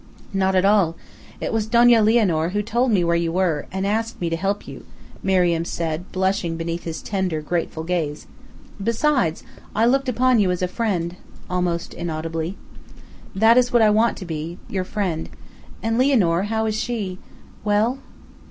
"Not all. It was Donna Lianor who told me where you were, and asked me to help you," Miriam said, blushing beneath his tender, grateful gaze. "Besides, I looked upon you as a friend," almost inaudibly. "That is what I want to be your friend. And Lianor how is she? well?"